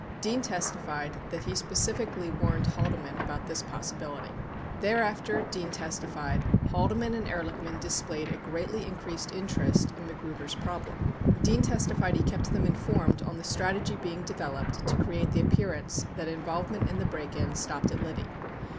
Dean testified that he specifically warned Haldeman about this possibility. 89 Thereafter, Dean testified, Haldeman and Ehrlichman displayed a greatly increased interest in Magruder's problem. Dean testified he kept them informed on the strategy being developed to create the appearance that involvement in the break in stopped at Liddy.